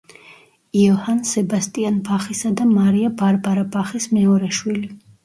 იოჰან სებასტიან ბახისა და მარია ბარბარა ბახის მეორე შვილი.